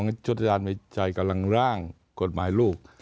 เพราะฉะนั้นชุดทราบมีชัยกำลังร่างกฎหมายลูก